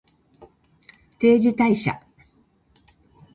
定時退社